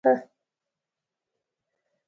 پنځمه برخه